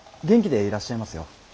元気でいらっしゃいますよ。